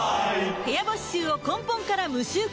部屋干し臭を根本から無臭化